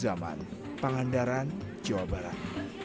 zaman pangandaran jawa barat